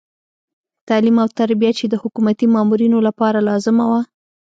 تعلیم او تربیه چې د حکومتي مامورینو لپاره لازمه وه.